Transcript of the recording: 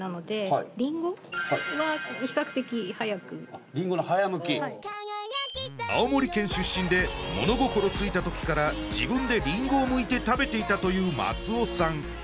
はい青森県出身で物心ついた時から自分でりんごを剥いて食べていたという松尾さん